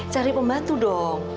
cari pembantu dong